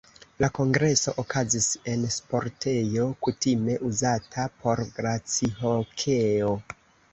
La kongreso okazis en sportejo, kutime uzata por glacihokeo.